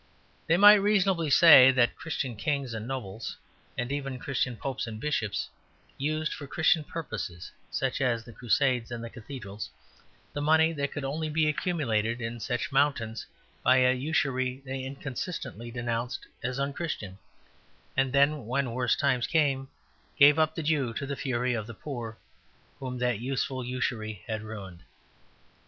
They might reasonably say that Christian kings and nobles, and even Christian popes and bishops, used for Christian purposes (such as the Crusades and the cathedrals) the money that could only be accumulated in such mountains by a usury they inconsistently denounced as unchristian; and then, when worse times came, gave up the Jew to the fury of the poor, whom that useful usury had ruined.